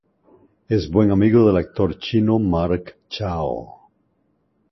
Es buen amigo del actor chino Mark Chao.